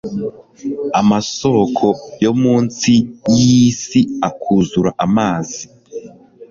amasoko yo mu nsi y'isi akuzura amazi